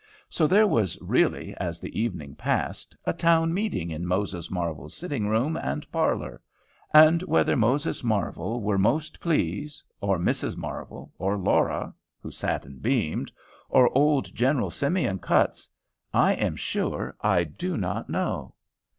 So there was really, as the evening passed, a town meeting in Moses Marvel's sitting room and parlor; and whether Moses Marvel were most pleased, or Mrs. Marvel, or Laura, who sat and beamed, or old General Simeon Cutts, I am sure I do not know.